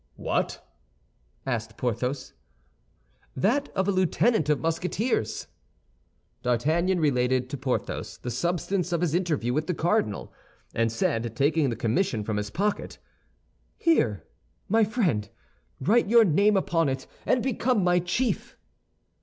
"What?" asked Porthos. "That of a lieutenant of Musketeers." D'Artagnan related to Porthos the substance of his interview with the cardinal, and said, taking the commission from his pocket, "Here, my friend, write your name upon it and become my chief."